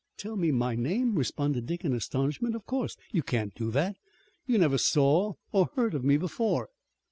"Tell me my name!" responded Dick in astonishment. "Of course you can't do it! You never saw or heard of me before."